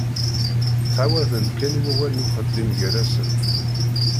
Ttɛawaden-d kan i wawal n uxeddim gar-asen.